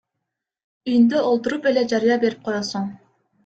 Үйүндө олтуруп эле жарыя берип коесуң.